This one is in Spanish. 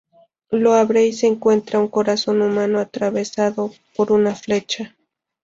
Lo abre y se encuentra un corazón humano atravesado por una flecha.